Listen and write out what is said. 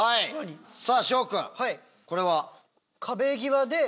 さぁ紫耀君これは？